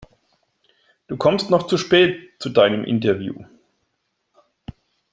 Du kommst noch zu spät zu deinem Interview.